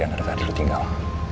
andar tadi dia tinggal